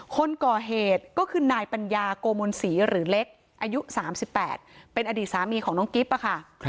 คนก่อเหตุก็คือนายปัญญาโกมนศรีหรือเล็กอายุ๓๘เป็นอดีตสามีของน้องกิ๊บค่ะ